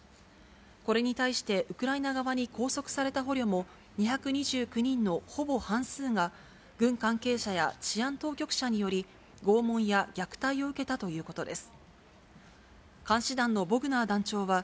これに対して、ウクライナ側に拘束された捕虜も２２９人のほぼ半数が、軍関係者や治安当局者により、拷問や虐待を受けたということです。